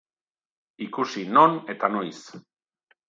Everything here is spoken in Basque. Ikusi non eta noiz!